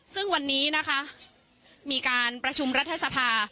ซึ่งวันนี้นะคะมีการประชุมรัฐสภา